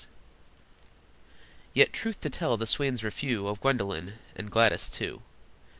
Yet, truth to tell, the swains were few Of Gwendolyn (and Gladys, too).